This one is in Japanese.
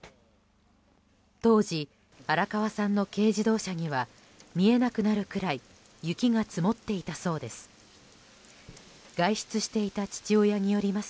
当時、荒川さんの軽自動車には見えなくなるくらい雪が積もっていたそうです。